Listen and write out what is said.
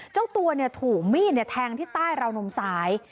เจ้าตัวถูกมีดแทงที่ใต้ราวนมซ้าย